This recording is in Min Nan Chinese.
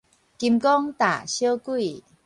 金剛踏小鬼